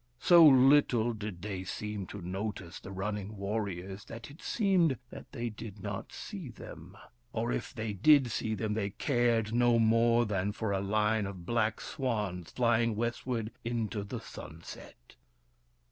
So little did they seem to notice the running warriors that it seemed that they did not see them ; or, if they did see them, they cared no more than for a line of black swans flying westward into the sun set.